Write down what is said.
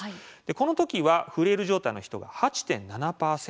この時はフレイル状態の人が８．７％。